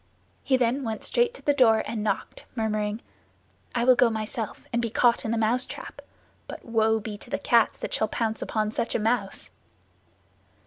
He then went straight to the door and knocked, murmuring, "I will go myself and be caught in the mousetrap, but woe be to the cats that shall pounce upon such a mouse!"